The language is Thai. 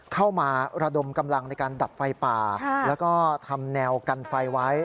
เข้ามาระดมกำลังในการดับไฟป่าแล้วก็ทำแนวกันไฟไว้